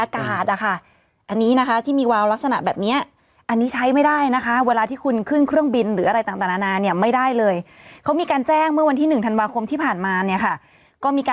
คนนั้นก็โดนเดินบนคดี